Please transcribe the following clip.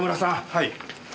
はい。